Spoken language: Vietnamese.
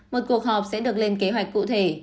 một cuộc họp sẽ được lên kế hoạch cụ thể